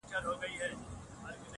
ته راته ووایه چي څنگه به جنجال نه راځي؟